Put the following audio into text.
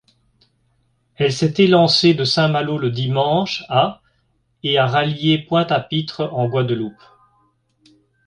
Elle s'est élancée de Saint-Malo le dimanche à et a rallié Pointe-à-Pitre en Guadeloupe.